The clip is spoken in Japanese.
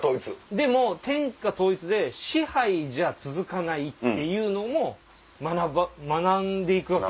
でも天下統一で支配じゃ続かないっていうのを学んで行くわけじゃないですか。